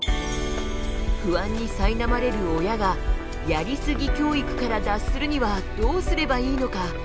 不安にさいなまれる親が「やりすぎ教育」から脱するにはどうすればいいのか？